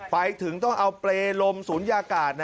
ไปถึงต้องเอาเปรย์ลมศูนยากาศ